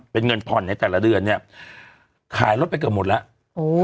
เป็นเงินผ่อนในแต่ละเดือนเนี่ยขายรถไปเกือบหมดแล้วโอ้